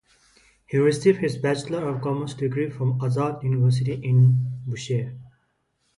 He received his Bachelor of Commerce degree from Azad University in Bushehr.